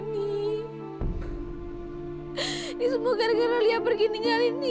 ini semua gara gara lia pergi ninggalin nih